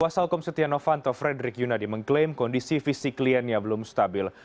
pasal komsetia novanto frederick yunadi mengklaim kondisi fisik kliennya belum stabil